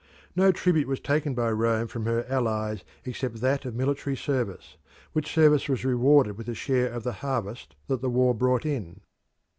No tribute was taken by Rome from her allies except that of military service, which service was rewarded with a share of the harvest that the war brought in.